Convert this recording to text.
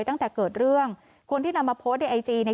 ตั้งแต่เกิดเรื่องคนที่นำมาโพสต์ในไอจีเนี่ย